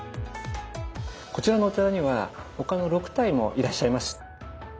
こちらのお寺には他の６体もいらっしゃいます。